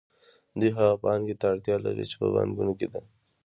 دوی هغې پانګې ته اړتیا لري چې په بانکونو کې ده